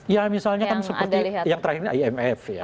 ya misalnya kan seperti yang terakhir ini imf ya